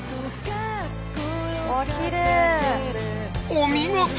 お見事！